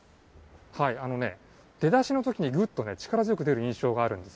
出だしのときにぐっと力強く出る印象があるんです。